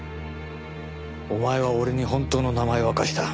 お前は俺に本当の名前を明かした。